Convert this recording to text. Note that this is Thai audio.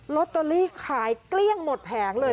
ลอตเตอรี่ขายเกลี้ยงหมดแผงเลย